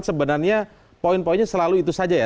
sebenarnya poin poinnya selalu itu saja ya